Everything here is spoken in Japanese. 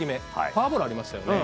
フォアボールありましたよね。